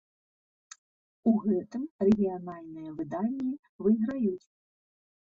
У гэтым рэгіянальныя выданні выйграюць.